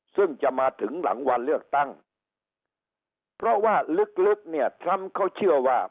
ซึ่งจะมาถึงหลังวันเลือกตั้งเพราะว่าลึกเนี่ยทรัมป์เขาเชื่อว่า